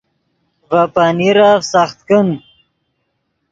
ڤے پنیرف سخت کن